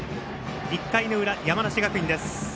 １回の裏、山梨学院です。